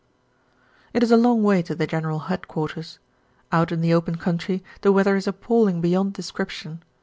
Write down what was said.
It is a long way to the General Headquarters. Out in the open country the weather is appalling beyond description.